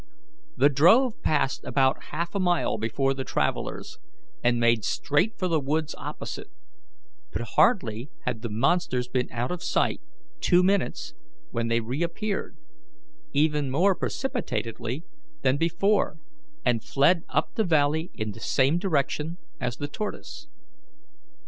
The drove passed about half a mile before the travellers, and made straight for the woods opposite; but hardly had the monsters been out of sight two minutes when they reappeared, even more precipitately than before, and fled up the valley in the same direction as the tortoise.